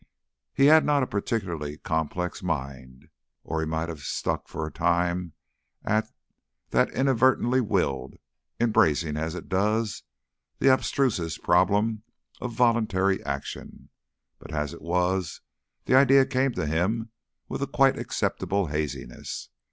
He had not a particularly complex mind, or he might have stuck for a time at that "inadvertently willed," embracing, as it does, the abstrusest problems of voluntary action; but as it was, the idea came to him with a quite acceptable haziness.